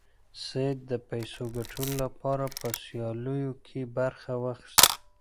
سید د پیسو ګټلو لپاره په سیالیو کې برخه واخیسته.